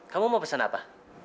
kamu mau pesan apa